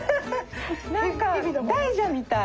何か大蛇みたい。